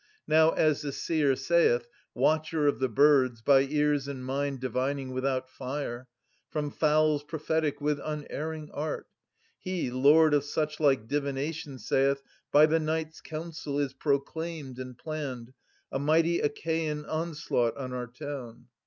Now, as the seer saith, watcher of the birds, By ears and mind^ divining, without fire. From fowls prophetic^ with unerring art, — He, lord of suchlike divination, saith, < By the night's council is proclaimed and planned A mighty Achaian onslaught on our town.'